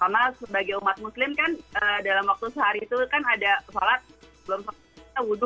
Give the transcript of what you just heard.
karena sebagai umat muslim kan dalam waktu sehari itu kan ada sholat belum sampai wudhu